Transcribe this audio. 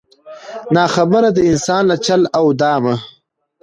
نا خبره د انسان له چل او دامه